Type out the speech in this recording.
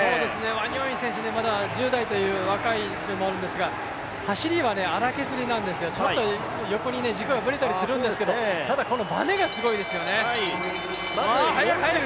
ワニョンイ選手、まだ１０代という若いせいもあるんですが走りは荒削りなんですよ、ちょっと横に軸がぶれたりするんですけれども、ただこのバネがすごいですよね。